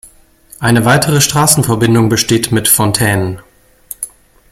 Eine weitere Straßenverbindung besteht mit Fontaine.